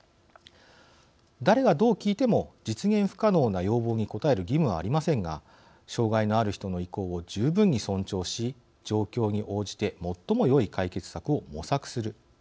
誰がどう聞いても実現不可能な要望に応える義務はありませんが障害のある人の意向を十分に尊重し状況に応じて最もよい解決策を模索する。